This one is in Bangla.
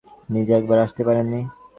নিজে একবার আসতে পারেননি?